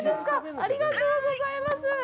ありがとうございます。